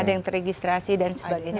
ada yang teregistrasi dan sebagainya